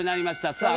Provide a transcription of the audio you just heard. さあ